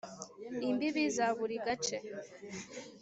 imbibi za buri gace